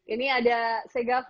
ini ada segafo